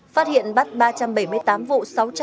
phát hiện bắt ba trăm bảy mươi tám vụ